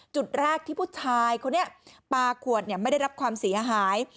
จุดแรกที่ผู้ชายคนนี้ปลาขวดไม่ได้รับความเสียหาย